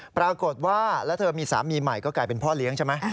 ปรากฏว่าแล้วเธอมีสามีใหม่ก็กลายเป็นพ่อเลี้ยงใช่ไหม